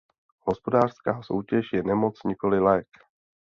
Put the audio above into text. Hospodářská soutěž je nemoc, nikoli lék.